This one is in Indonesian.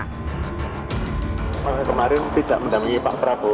kemarin tidak mendampingi pak prabowo